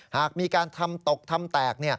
หากมีการทำตกทำแตก